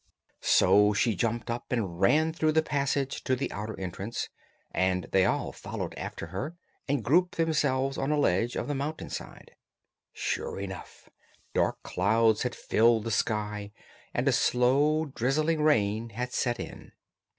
So she jumped up and ran through the passage to the outer entrance, and they all followed after her and grouped themselves on a ledge of the mountain side. Sure enough, dark clouds had filled the sky and a slow, drizzling rain had set in.